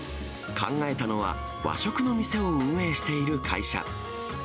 考えたのは、和食の店を運営している会社。